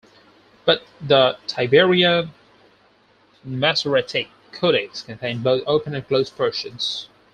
But the Tiberian masoretic codices contain both open and closed portions.